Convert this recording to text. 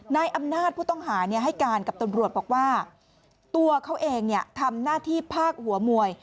นายอำนาจผู้ต้องหาให้การกับตำรวจบอกว่าตัวเขาเองทำหน้าที่ภาคหัวมวย